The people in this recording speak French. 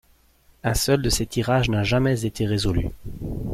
Un seul de ces tirages n'a jamais été résolu.